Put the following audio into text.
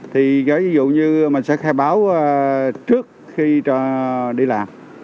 thì ví dụ như mình sẽ khai báo trước khi đi làm